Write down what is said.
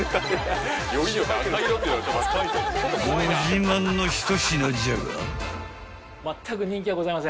［ご自慢の一品じゃが］